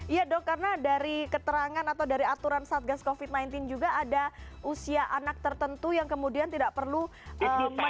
iya dok karena dari keterangan atau dari aturan satgas covid sembilan belas juga ada usia anak tertentu yang kemudian tidak perlu masuk